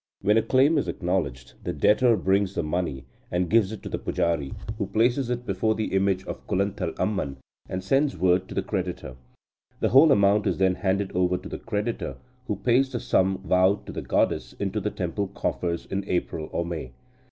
When a claim is acknowledged, the debtor brings the money, and gives it to the pujari, who places it before the image of Kulanthal Amman, and sends word to the creditor. The whole amount is then handed over to the creditor, who pays the sum vowed to the goddess into the temple coffers in April or May.